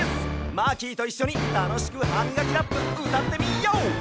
マーキーといっしょにたのしく「ハミガキラップ」うたってみよう！